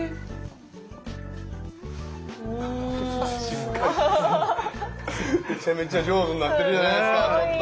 めちゃめちゃ上手になってるじゃないすかちょっと！